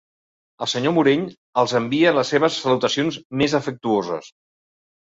El senyor Morell els envia les seves salutacions més afectuoses.